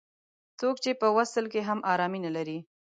څوک چې په وصل کې هم ارامي نه لري.